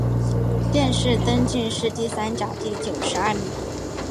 殿试登进士第三甲第九十二名。